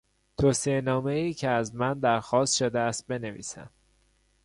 توصیه نامهای که از من درخواست شده است بنویسم